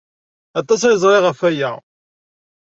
Aṭas ay ẓriɣ ɣef waya.